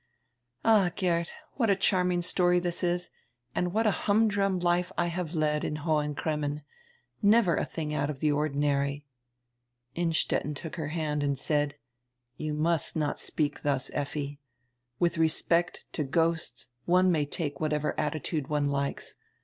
"All, Geert, what a charming story this is and what a humdrum life I have led in Hohen Cremmen! Never a diing out of the ordinary." Innstetten took her hand and said: "You must not speak dius, Effi. Widi respect to ghosts one may take whatever attitude one likes.